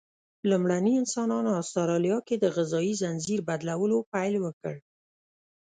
لومړني انسانان استرالیا کې د غذایي ځنځیر بدلولو پیل وکړ.